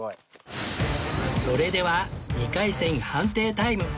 それでは２回戦判定タイム